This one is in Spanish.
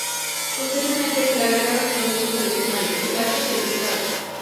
Posteriormente se le agregaron elementos adicionales, los lácteos y el pescado.